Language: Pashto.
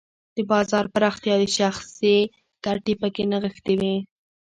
د بازار پراختیا او شخصي ګټې پکې نغښتې وې.